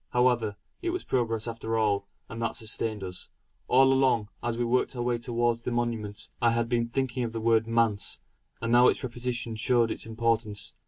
However, it was progress after all; and that sustained us. All along, as we worked our way towards the monument, I had been thinking of the word "manse;" and now its repetition showed its importance.